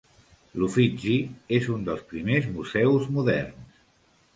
L'Uffizi és un dels primers museus moderns.